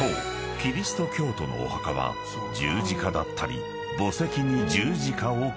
キリスト教徒のお墓は十字架だったり墓石に十字架を刻む］